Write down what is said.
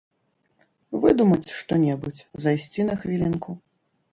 Выдумаць што-небудзь, зайсці на хвілінку.